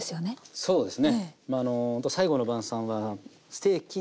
そうですか！